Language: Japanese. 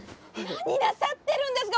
何なさってるんですか！